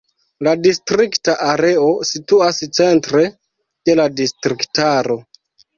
La distrikta areo situas centre de la distriktaro.